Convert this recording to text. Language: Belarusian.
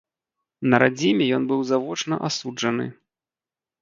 На радзіме ён быў завочна асуджаны.